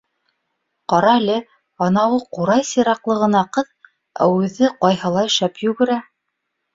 — Ҡара әле, анауы ҡурай сираҡлы ғына ҡыҙ, ә үҙе ҡайһылай шәп йүгерә.